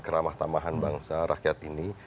kemaham bangsa rakyat ini